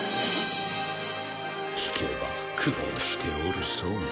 聞けば苦労しておるそうな。